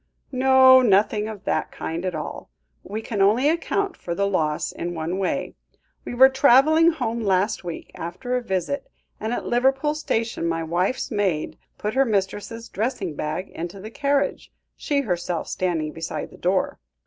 "No, nothing of that kind at all. We can only account for the loss in one way. We were travelling home last week, after a visit, and at Liverpool station my wife's maid put her mistress's dressing bag into the carriage, she herself standing beside the door.